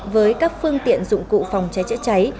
với các phương tiện dụng cụ phòng cháy chữa cháy